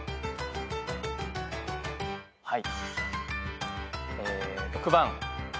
はい。